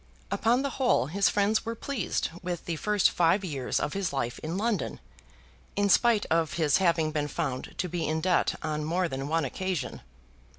Upon the whole his friends were pleased with the first five years of his life in London in spite of his having been found to be in debt on more than one occasion.